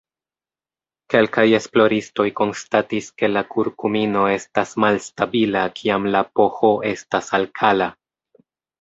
Kelkaj esploristoj konstatis ke la kurkumino estas malstabila kiam la pH estas alkala.